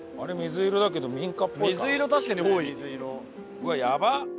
うわっやばっ！